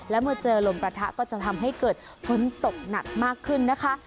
และเมื่อเจอลมประทะก็จะทำให้เกิดฝนตกหนักมากขึ้นนะคะ